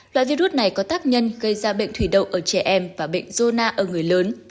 loại virus này có tác nhân gây ra bệnh thủy đậu ở trẻ em và bệnh zona ở người lớn